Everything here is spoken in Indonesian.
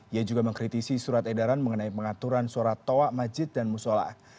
ia juga mengkritisi surat edaran mengenai pengaturan surat toa masjid dan musola